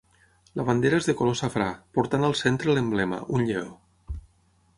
La bandera és de color safrà, portant al centre l'emblema, un lleó.